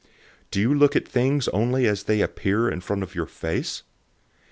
010:007 Do you look at things only as they appear in front of your face?